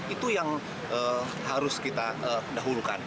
itu yang harus kita dahulukan